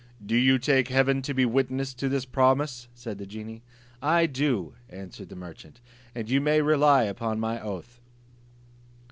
"Do you take heaven to be witness to this promise?" said the genie. "I do," answered the merchant, "and you may rely on my oath."